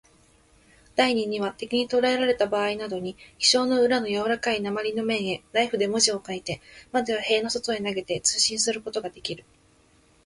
第二には、敵にとらえられたばあいなどに、記章の裏のやわらかい鉛の面へ、ナイフで文字を書いて、窓や塀の外へ投げて、通信することができる。